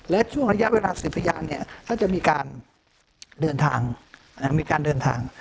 และช่วงระยะเวลาสืบพยานเขาจะมีการเดินทาง